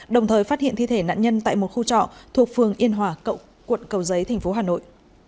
đồng thời phát hiện thi thể nạn nhân tại một khu trọ thuộc phường yên hòa quận cầu giấy thành phố hà nội